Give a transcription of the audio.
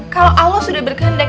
kalau allah sudah berkehendak